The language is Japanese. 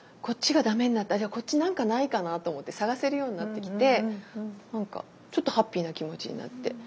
こっちが駄目になったらこっち何かないかなと思って探せるようになってきて何かちょっとハッピーな気持ちになって。